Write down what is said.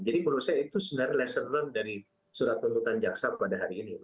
jadi menurut saya itu sebenarnya lesser learn dari surat tuntutan jaksa pada hari ini